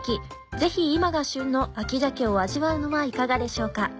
ぜひ今が旬の秋鮭を味わうのはいかがでしょうか。